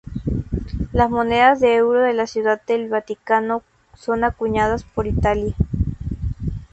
Las monedas de euro de la Ciudad del Vaticano son acuñadas por Italia.